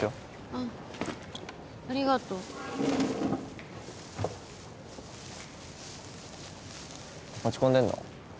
うんありがとう落ち込んでんの？